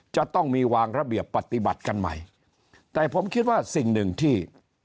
จะต้องมีวางระเบียบปฏิบัติกันใหม่แต่ผมคิดว่าสิ่งหนึ่งที่